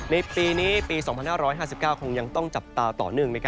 ในปีนี้ปี๒๕๕๙คงยังต้องจับตาต่อเนื่อง